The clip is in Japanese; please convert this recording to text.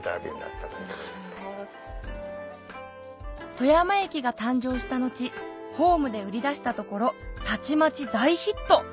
富山駅が誕生した後ホームで売り出したところたちまち大ヒット